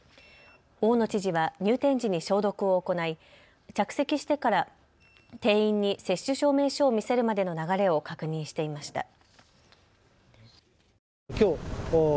大野知事は入店時に消毒を行い着席してから店員に接種証明書を見せるまでの流れを確認していました。